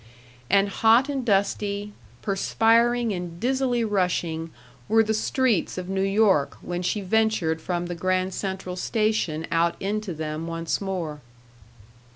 And hot and dusty, perspiring and dizzily rushing, were the streets of New York when she ventured from the Grand Central station out into them once more.